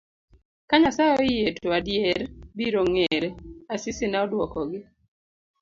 ka Nyasaye oyie to adier biro ng'ere, Asisi ne odwokogi.